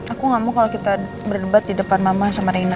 aku gak mau kalau kita berdebat di depan mama sama rina